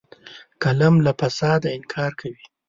قلم له فساده انکار کوي